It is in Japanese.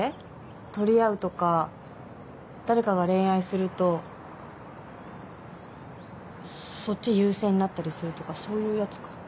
取り合うとか誰かが恋愛するとそっち優先になったりするとかそういうやつかな？